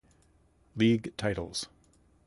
League titles